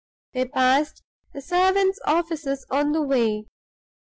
They passed the servants' offices on the way.